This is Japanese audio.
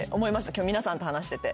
今日皆さんと話してて。